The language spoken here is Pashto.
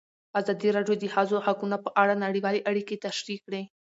ازادي راډیو د د ښځو حقونه په اړه نړیوالې اړیکې تشریح کړي.